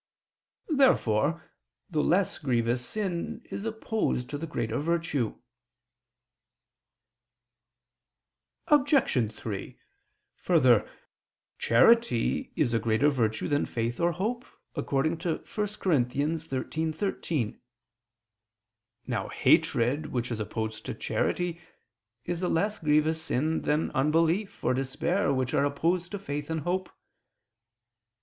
Therefore the less grievous sin is opposed to the greater virtue. Obj. 3: Further, charity is a greater virtue than faith or hope (1 Cor. 13:13). Now hatred which is opposed to charity is a less grievous sin than unbelief or despair which are opposed to faith and hope.